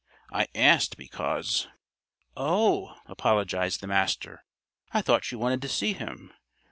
I asked because " "Oh," apologized the Master. "I thought you wanted to see him.